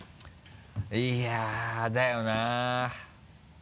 いやだよな。